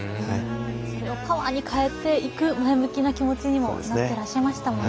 それをパワーに変えていく前向きな気持ちなってらっしゃいましたね